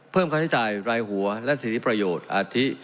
เพิ่มค่าใช้จ่ายรายหัวและสิทธิประโยชน์อาทิ